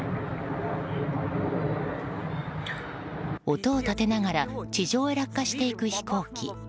音を立てながら地上へ落下していく飛行機。